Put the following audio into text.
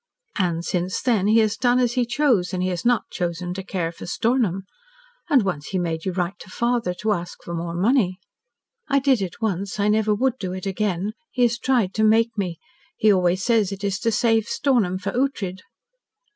"And since then he has done as he chose, and he has not chosen to care for Stornham. And once he made you write to father, to ask for more money?" "I did it once. I never would do it again. He has tried to make me. He always says it is to save Stornham for Ughtred."